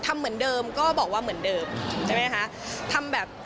ทำเหมือนเดิมก็บอกว่าเหมือนเดิมใช่ไหมคะทำแบบ